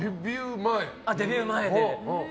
デビュー前で。